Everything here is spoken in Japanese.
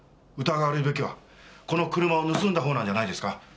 疑われるべきはこの車を盗んだ方なんじゃないですか？